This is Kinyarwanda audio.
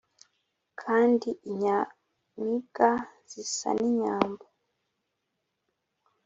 Kandi inyamibwa zisa n'inyambo.